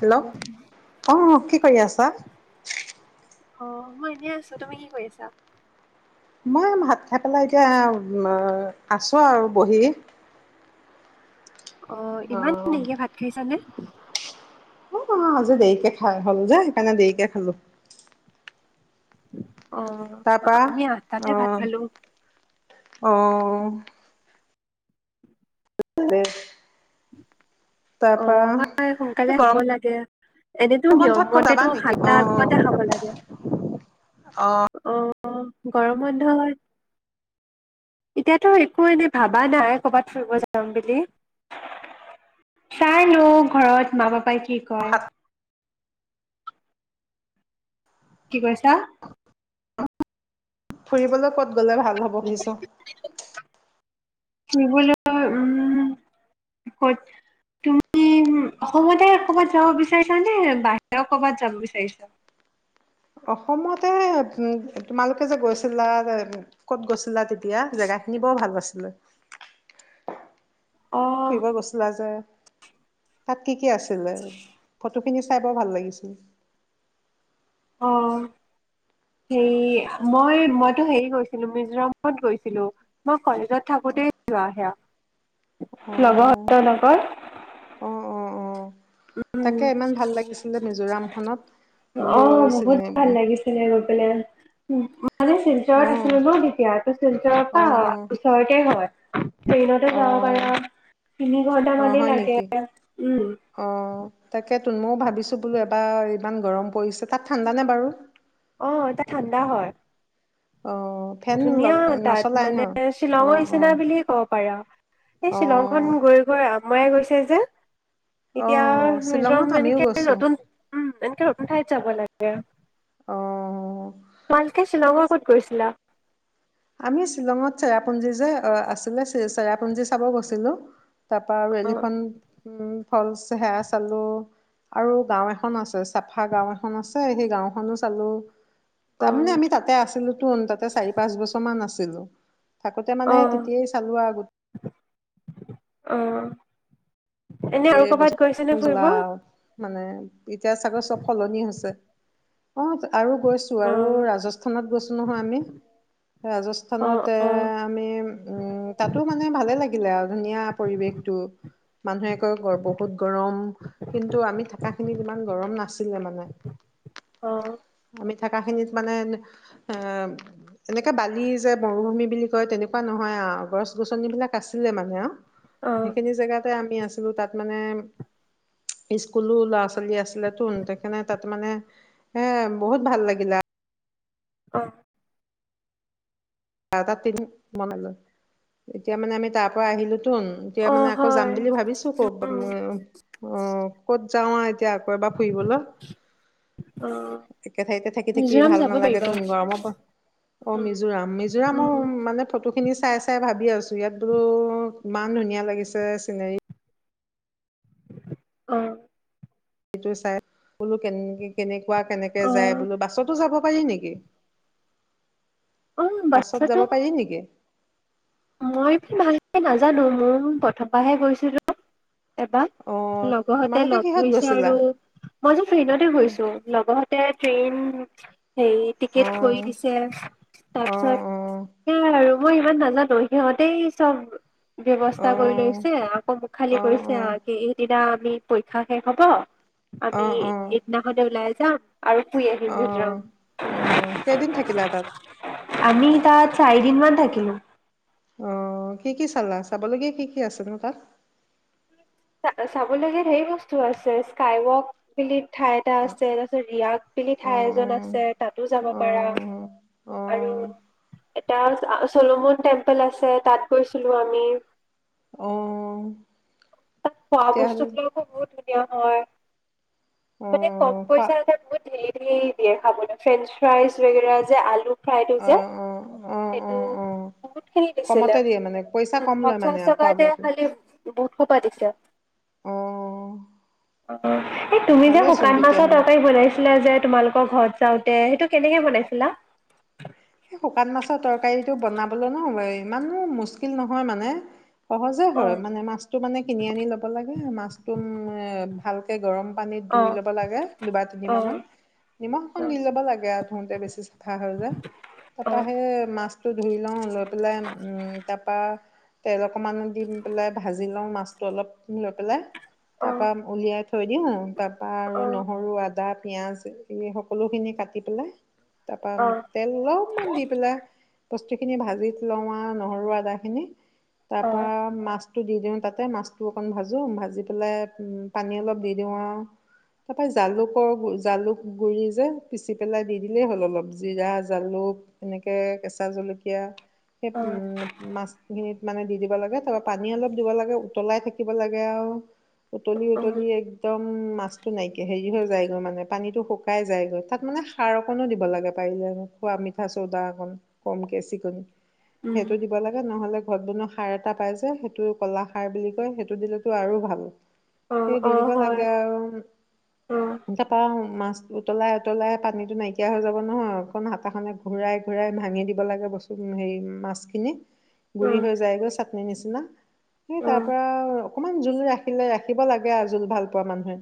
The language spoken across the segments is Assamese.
হেল্ল! অ কি কৰি আছা? অ মই এনেই আছো তুমি কি কৰি আছা? মই ভাত খাই পেলাই এতিয়া আছো আৰু বহি। অ ইমান দেৰিকে ভাত খাইছানে? অ অ আজি দেৰিকে খাই হ'ল যে সেইকাৰণে দেৰিকে খালো। অ তাৰপা আমি আঠটাতে অ ভাত খালো অ। পা [unintelligible] অ হয় সোনকালে এই হব গৰম লাগে এনেতো নিয়ম বন্ধত ক'ত যাবা মতেতটো নেকি? সাতটা অ আঠতাতে খাব লাগে অ। অ গৰম বন্ধত এতিয়াতো একো এনে ভাবা নাই কৰ'বাত ফুৰিব যাম বুলি। চাই লও ঘৰত মা পাপাই কি কয়। হাত কি কইছা? ফুৰিবলৈ ক'ত গ'লে ভাল হ'ব ভাবিছ? [unintelligible] উম কত তুমি অসমতে ক'বাত যাব বিচাৰিছা নে বাহিৰত কৰবাত যাব বিচাৰিছা? অসমতে তোমালোকে যে গৈছিলা ক'ত গৈছিলা তেতিয়া? জেগাখিনি বৰ ভাল আছিলে। অ ফুৰিব গইছিলা যে তাত। কি কি আছিলে বস্তু খিনি চাই বৰ ভাল লাগিছিল অ হেৰী মই মইতো হেৰি গৈছিলো মিজোৰামত গৈছিলো মই কলেজত থাকোতেই যোৱা সেয়া অ', লগৰহঁতৰ লগত অ', অ', অ', তাকে ইমান ভাল লাগিছিলে মিজোৰাম খনত অ বোলো বহুত চি উম মানে শিলচৰত আছিলো তু তেতিয়া ত শিলচৰৰ অ', পৰা অ', ওচৰতে হয় ট্ৰেইনতে যাব অ', পাৰা তিনি ঘন্টা অ', মানেই হয় লাগে উম তাকে তো মও ভাবিছোঁ বোলো এবাৰ ইমান গৰম পৰিছে তাত ঠাণ্ডা নে বাৰু অ এটা ঠাণ্ডা হয় অ', ফেন লগ ধুনীয়া তাত নচলাই ন? মানে শ্বিলঙৰ অ', নিচিনা অ', বুলি ক'ব পাৰে আৰু সেই শ্বিলংখন অ', গৈ গৈ আমুৱাই গৈছে যে এতিয়া অ', শ্বিলঙত মিজোৰাম আমিও এনেকে গৈছোঁ নতুন উম নতুন ঠাইত যাব লাগে অ'। তোমালোকে শ্বিলঙৰ ক'ত গৈছিলা আমি শ্বিলঙত চেৰাপুঞ্জী যে আছিলে চেৰাপুঞ্জী চাব গৈছিলোঁ তাপা আৰু অ এলিফেন উম ফলচ সেৱা চালোঁ আৰু গাঁও এখন আছে চাফা গাঁও এখন আছে সেই গাওঁখনো চালোঁ অ তাৰমানে আমি তাতে আছিলো তোন তাতে চাৰি পাঁচ বছৰ মান আছিলোঁ থাকোঁতে মানে অ তেতিয়াই চালোঁ আৰু গোট অ এনে আৰু ক'ৰবাত গৈছে নে বস্তু জ্বলা ফুৰিব মানে এতিয়া চাগে চব সলনি হৈছে অ আৰু গৈছো অ আৰু ৰাজস্থানত গৈছো নহয় আমি অ ৰাজস্থানত এ অ আমি উম তাতো মানে ভালে লাগিলে আৰু ধুনীয়া পৰিৱেশটো মানুহে বহুত গৰম কিন্তু আমি থাকা খিনিত ইমান গৰম নাছিলে নাছিলে মানে অ আমি থকাখিনিত মানে এ এনেকে বালি যে মৰুভূমি বুলি কয় তেনেকুৱা নহয় আৱ গছ গছনিবিলাক আছিলে মানে আৱ অ সেইখিনি জেগাতে আমি আছি আছিলো তাত মানে স্কুলো ল'ৰা ছোৱালী আছিলে তোন সেকানে তাত মানে এ বহুত ভাল লাগিলে আৱ অ বাৰটাত তিন মনাল এতিয়া মানে আমি তাৰ পৰা আহিলো তোন এতিয়া অ মানে আকৌ যাম হয় বুলি ভাবিছোঁ কত উম অ ক'ত যাওঁ আ এতিয়া আকৌ এবাৰ ফুৰিবলো অ একে ঠাইতে থাকি থাকি মিজোৰাম ভাল যাব নেলাগে পাৰিবা। তোন গৰমৰ পৰা অ উম মিজোৰাম মিজো গামৌ উম মানে ফটো খিনি চাই চাই ভাবি আছো ইয়াত বোলো ইমান ধুনীয়া লাগিছে চিনেৰী অহ। সেইটো চাই বোলো কেনে কেনেকে কোৱা কেনেকে অ যাই বুলো বাছতো যাব পাৰি নেকি? অ পাছত যাব বাচ্ছাটো পাৰি নেকি? মই ভালকে নাজানো মোৰ প্ৰথপাহে গৈছিলো। এবাৰ অ লগহতে তোমালোকে লগ কিহত ধইছে গৈছিলা আৰু মই যে ফ্ৰেইণ্ডতে গৈছো লগহতে টে-ট্ৰেইন। হে অ টিকেট কৰি দিছে, অ অ তাৰপিছত সেইয়া আৰু। মই ইমান নাজানো সিহঁতেই চব অ অ ব্যৱস্থা কৰি লৈছে আকৌ মোকখ খালি অ কৰিছে তেওঁ ৰাতি সেইদিনা এই পৰীক্ষাও শেষ হ'ব আমি সেইদিনাখনে ওলাই [unintelligible] আহিম অহ মিজোৰাম অহ। কেইদিন থাকিলা তাত? আমি তাত চাৰিদিন মান থাকিলো। অহ ', কি- কি চালা? চাবলগীয়া কি -কি আছে ন তাত? চা, চাবলগীয়া ধেৰ বস্তু আছে, স্কাই ৱক বুলি ঠাই এটা আছে। অঁ তাৰপিছত ৰিয়াগ বুলি ঠাই এজন অঁ আছে, তাতো যাব অঁ পাৰা, অঁ আৰু অঁ এটা, চ আ, চলোমন টেম্পল আছে, তাত গৈছিলো আমি। অ। এ খোৱা বস্তু কিনোতে বহুত বেছি কিয় হয়? মানে কম অঁ খোৱা পইচাৰ কাৰণে ধেৰ দি দিয়ে খাবলে। ফ্ৰেঞ্চ ফ্ৰাইজ লৈ পেলাই যে আলু ফ্ৰাইটো যে, অঁ অঁ অঁ সেইটো অঁ অঁ বহুত খিনি দিছিলে। কমতে দিয়ে মানে পইচা কম লয় পঞ্চাছ মানে খোৱা টকাতে বোৱাটো খালি এইটো কি পাতিছে? অহ। [unintelligible] এই তুমি যে শুকান মাছৰ তৰকাৰী বনাইছিলা যে তোমালোকৰ ঘৰত যাওঁতে, সেইটো কেনেকে বনাইছিলা? এই শুকান মাছৰ তৰকাৰীটো বনাবলৈ ন ইমানো মুস্কিল নহয় মানে, সহজে অ হয়, মানে মাছটো মানে কিনি আনি ল'ব লাগে, মাছটো উম মানে ভালকে গৰম পানীত অ ধুই লব লাগে দুবাৰ অ তিনিবাৰ মান। অ নিমখ অকণ দি ল'ব লাগে আৰু ধুওঁতে, বেছি চাফা হৈ যায়। অ তাৰপৰা সে মা মাছটো ধুই লওঁ। লৈ [unintelligible] তাৰ পৰা, তেল অকমান দি পেলাই ভাজি লওঁ মাছটো অলপ লৈ পেলাই। অ অ তাৰ পৰা উলিয়াই থৈ দিওঁ আৰু। তাৰপৰা আৰু নহৰু আদাত পিঁয়াজ, এইখিনি সকলোখিনি কাটি পেলাই তাৰপৰা অ আমি তেল লওঁ। মন দি পেলাই বস্তু খিনি ভাজিত লওঁ নহৰু আদা খিনি। তাৰ পৰা অ মাছ টো দি দিওঁ তাতে মাছটো অকণ ভাজোঁ ভাজি পেলাই পানী অলপ দি দিওঁ আৰু, তাৰপৰা জালুকৰ জালুক গুড়ি যে পিচি পেলাই দি দিলেই হ'ল অলপ জিৰা, জালুক। এনেকে কেঁচা জলকীয়া। সেই অ উম, মাছখিন মানে দি দিব লাগে তাৰপৰা পানী অলপ দিব লাগে উতলাই থাকিব লাগে আৰু। উুতলি অ উম উুতলি একদম উম মাছটো নাইকিয়া হৈ যায়গৈ মানে পানীতটো শুকাই যাইগৈ তাত মানে সাৰ অকনো দিব লাগে পাৰিলে খোৱা ম খোৱা চৌদা অকণ কমকে এচিকুত উম সেইটো দিব লাগে নহলে ঘত বনোৱা সাৰ এটা পাই যে সেইটো কলা সাৰ বুলি কয় সেইটো দিলেতো আৰু ভাল অ সেই দি অ দিব হয় লাগে আৰু তা পা মাছ উতলাই উতলাই পানীতটো নাইকিয়া হৈ যাব নয় অকণ হাতাখনে ঘূৰাই ঘূৰাই ভাঙি দিব লাগে বস্তু হেৰি মাছখিনি। গুৰি হৈ যায়গৈ আ নিছিনা। সেই তাৰ পৰা অকমান জোল ৰাখিলে ৰাখিব লাগে আৰু জোল ভাল পোৱা মানুহে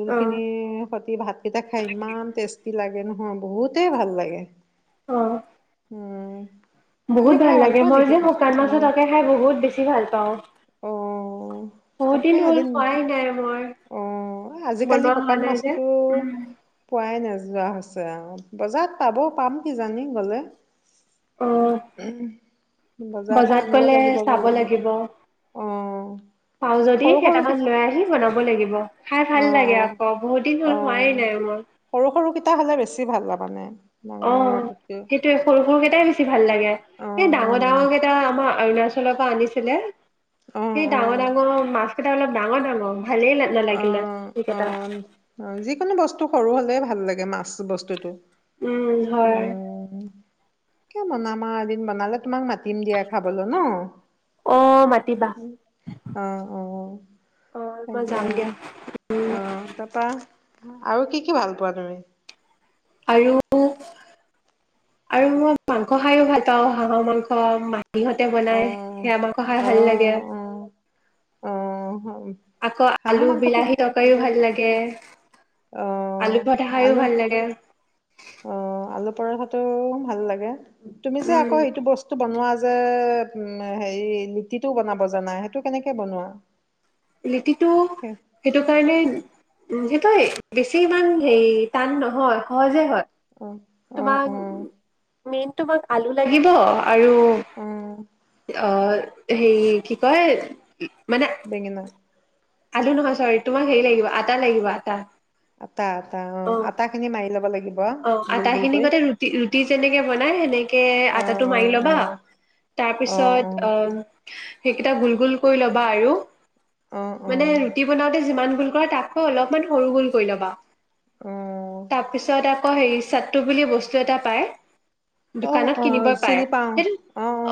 জোল খিনিৰ সতি ভাতকেইটা খাই ইমান টেষ্টি লাগে নহয় অ বহুতেই ভাল লাগে অ উম। তুমি বহুত ভাল খাই লাগে। পোৱা মই নেকি যে শুকান অ মাছৰ তৰকাৰি খাই বহুত বেছি ভাল পাওঁ। অও বহুত তাকে দিন হ'ল এদিন খোৱাই নাই মই অ আজিকালি বনোৱা হোৱা শুকান নাই যে মাছতো উম, পোৱাই নাযায় যোৱা হৈছে অ বজাৰত পাব পাম কিজানি গ'লে অ বজাৰৰ পৰা বজাৰত আনিব গ'লে লাগিব চাব গলে আও। লাগিব পাওঁ যদি কি কেইটামান লৈ আহিম বনাব লাগিব খাই ভাল অ লাগে অ আকৌ বহুত দিন হ'ল অ হোৱাই নাইমই সৰু সৰু কেইটা হ'লে বেছি ভাল পাবানে অ সেইটোয়ে সৰু সৰু কেইটাই বেছি ভাল লাগে। অ এই ডাঙৰ উম ডাঙৰ কেইটা আমাৰ অৰুণাচলৰ পৰা আনিছিলে অ সেই অ ডাঙৰ ডাঙৰ মাছ কটা অলপ ডাঙৰ ডাঙৰ ভালেই নালাগিলে অ', সেইকেইটা অ', যিকোনো বস্তু সৰু হলে ভাল ভাল লাগে মাছ বস্তুতটো। উম, হয়। কিয় বনামা এদিন বনালে তোমাক মাতি মাতিম দিয়া খাবলৈ ন। অ' মাতিবা অ', অ। অ' মই যাম দিয়া উম। অ তাৰপা আৰু কি কি ভাল পোৱা তুমি? আৰু আৰু মই মাংস খাইও ভাল পাওঁ হাঁহৰ মাংস সিহঁতে অ বনাই সেয়া আমাকহাই অ ভাল লাগে। অ অ আকৌ হাঁহৰ আলু মাংসটো বিলাহী খালে তকাইও ভালে ভাল লাগে, অ আলু ভঠা খাইো আলু ভাল লাগে। অ', আলু পৰঠাটো ভাল লাগে। তুমি যে উম আকৌ সেইটো বস্তু বনোৱা যে উ হেৰি লিটিটো বনাব জানা? সেইটো কেনেকে বনোৱা? লিটি টো সেইটো কাৰণেই উম সেইটো, বেছি ইমান হেৰি, টান নহয় সহজে হয়। অ অ তোমাক অ [unintelligible] তোমাক আলু লাগিব? আৰু অ আঁ সেই কি কয়? মানে বেঙেনা। আলু নহয় চৰি, তোমাক হেৰি লাগিব আটা লাগিব আটা। আটা, আটা অ আটা খিনি মাৰি ল'ব লাগে। অ আটাখিনি গতে ৰুটি ৰুটি যেনেকে বনাই সেনেকে, অ আটাটো অ মাৰি অ ল'বা তাৰপিছত অ সেইকেইটা গোল গোল কৰি ল'বা আৰু। অ অ মানে ৰুটি বনাওতে যিমান। গুল কৰা তাতকৈ অলপমান সৰু গুল কৰি ল'বা। অ তাৰপিছততে অ হেৰি চট্ট বুলি বস্তু এটা পায়। অ দোকানত অ কিনিব পায়, চিনি পাও সেইটো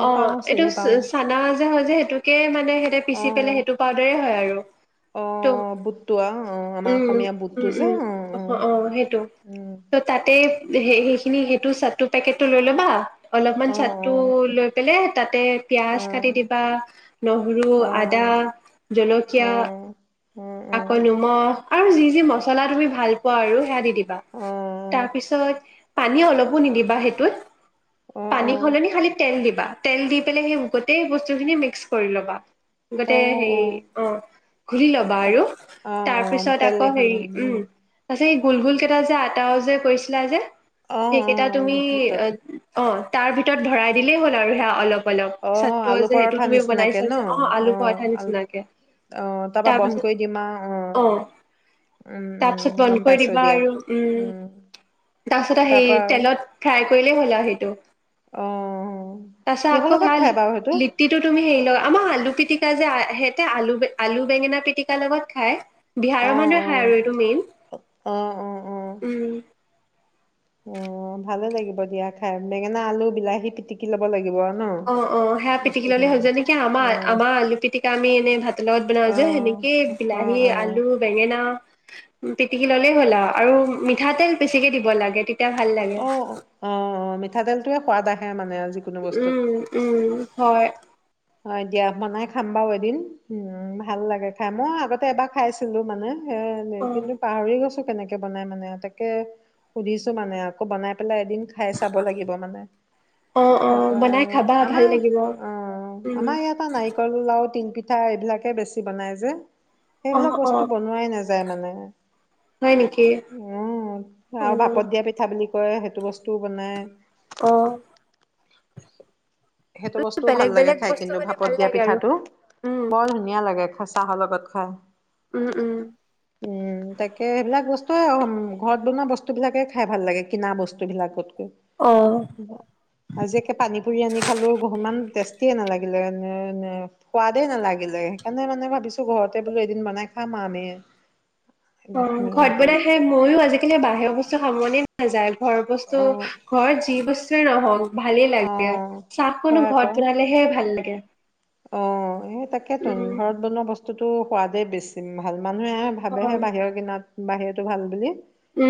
অ পাও এইটো চিনি পাও চানা। [unintelligible] যে সেইটোকে মানে সিহতে পিচি অ পেলাই সেইটো পাউদাৰ হয় আৰু। অ ত বুটটো অ অ আমাৰ উম অসমীয়া বুটটো উম যে উম অহ অ সেইটো। তাতে স সেইখিনি সেইটো চাট্টো পেকেটটো লৈ ল'বা। অলপমান অ অ ছাট্টো লৈ পেলাই তাতে পিয়াজ উম কাটি দিবা, নহৰু, অ আদা, অ অ জলকীয়া অ অ আকৌ নিমখ তে। আৰু যি যি মছলা তুমি ভাল পোৱা আৰু, সেয়া দি। দিবা। পিছত পানী অলপো নিদিবা সেইটোত। অ অ অ অ অ পানী হ'লনি খালি তেল দিবা। [unintelligible] তেল দি পেলাই, সেই গতেই বস্তু খিনি মিক্স কৰি ল'বা। গতে হেৰি অ খুলি ল'বা তাক আৰু, অ তাৰ অ পিছত তেলে আকৌ সানি হেৰি উম। সেই গোল গোল কেইটা আ। টাও যে কৈছিলা যে। অ অ সেইকেইটা তুমি ভিতৰত এ অ তাৰ ভিতৰত ভৰাই দিলেই হ'ল আৰু, সেয়া অলপ। অ [unintelligible] চাটটো আলু যে সেইটো পৰঠা তুমি নিচিনাকে বনাইছা ন যে, অ আলু পৰঠা নিচিনাকে, অ তাৰপা বন্ধ তাৰপিছত কৰি দিম আও অ উম, উম, তাৰপিছত গম বন্ধ কৰি পাইছো দিবা দিয়া। আৰু উম। তাৰপিছত তাৰপা সেই আৰু তেলত ফ্ৰাই কৰিলেই হ'ল আৰু সেইটো অ', তাছ কিহৰ আকৌ লগত ভাল খাই বাৰু সেইটো? লিটিটো তুমি ল আম আলু পিটিক- হে যে সেতে আলু আলু বেঙেনা পিটিকা লগত খাই। বিহাৰৰ অ', মানুহে খায় আৰু অ', এইটো মেইন অ', অ', অ'। অ ভালে লাগিব দিয়া খাই বেঙেনা আলু বিলাহী পিটিকি লব লাগিব ন? অ অ সেয়া পিটিকি ললে বস্তুখিনি হ'ল যেনেকে আমাৰ অ', আমাৰ আলু পিটিকা আমি এনে ভাতৰ লগত বনাও যে অ', সেনেকে অ', বিলাহী অ'। আলু বেঙেনা পিটিকি ললেই হ'ল আৰু আৰু মিঠাতেল বেছিকে দিব লাগে তেতি- তিয়া ভাল লাগে। টোৱে সোৱাদ আহে মানে আজ- উম উম হয় অ দিয়া বনাই খাম বাৰু এদিন উম ভাল লাগে খাই। মই আগতে এবাৰ খাইছিলো মানে সে নে অ কিন্তু পাহৰি গছক কেনেকে বনাই মানে তাকে সুধিছো মানে আকৌ বনাই পেলাই এদিন খাই চাব লাগিব মানে অ অ তাৰ পৰা বনাই আৰু খাবা ভাল আমাৰ লাগিব আহ উম আমাৰ ইয়াৰ পা নাৰিকল লাও তিন- পিঠা এইবিলাকে বেছি বনাই যে অ সেইবিলাক অ বস্তু বনোৱাই নাযায় যাই মানে হয় নেকি উ উ আৰু ভাপত দিয়া পিঠা বুলি কয় সেইটো বস্তু বনাই অহ সেইটো বস্তুও ভাল বেলেগ লাগে বেলেগ খাই বস্তু কিন্তু হ'লে ভাপত ভাল দিয়া লাগে আৰু পিঠাটো উম বৰ ধুনীয়া লাগে খচ- চাহৰ লগত খাওঁ। উম উম উম তাকে সেইবিলাক বস্তুৱে ঘৰত বনোৱা বস্তুবিলাকে খাই ভাল লাগে কিনা বস্তুবিলাকত অ আজি একে পানী পুৰি আনি ইমান টেষ্টিয়ে নালাগিলে নে নে সোৱাদেই নালাগিলে সেইকাৰণে মানে ভাবিছো ঘৰতে বোলো এদিন বনাই খাম আৰু আমি অ ঘৰত ধুনীয়াকে বনাই খাই মইয়ো আজিকালি বাহিৰৰ বস্তু খাব মনে - নাযায় ঘৰ বস্তু অ ঘৰ যি বস্তুৱে নহওক ভালেই অ লাগে। চাহ কনো হয় আকৌ ঘৰত বনালেহে ভাল লাগে তে অ সে তাকে তোন ঘৰত বনোৱা বস্তু- তো সোৱাদে বেছিম ভাল মানুহে অ ভাবেহে বাহিৰৰ কিনাত বাহিৰৰটো ভাল বুলি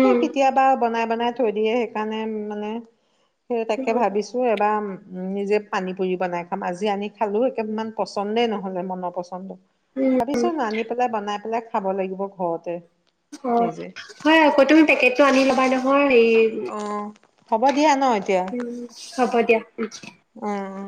সেই কেতিয়াবা বনাই মানে থৈ দিয়ে সেইকাৰণে মানে সেই তাকে উম ভাবিছোঁ এবাৰ নিজে পানী পুৰি বনাই খাম আজি আনি খালো মান পচন্দই নহ'লে মনৰ পচন্দ উম, ভাবিছোন আনি পেলাই বনাই পেলাই খাব লাগিব ঘৰতে অ নিজে। হয় আকৌ তুমি পেকেট টো আনি ল'বা নহয় হেৰি অ হ'ব দিয়া ন এতিয়া উম হ'ব দিয়া অ অ